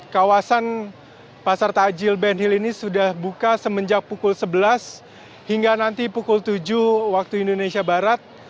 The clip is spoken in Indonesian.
kawasan pasar tajil ben hill ini sudah buka semenjak pukul sebelas hingga nanti pukul tujuh waktu indonesia barat